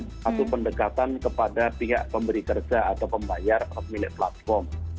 satu pendekatan kepada pihak pemberi kerja atau pembayar milik platform